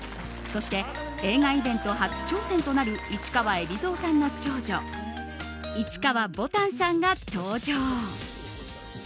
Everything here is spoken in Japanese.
そして、映画イベント初挑戦となる市川海老蔵さんの長女市川ぼたんさんが登場。